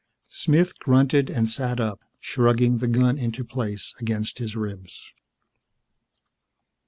Smith grunted and sat up, shrugging the gun into place against his ribs.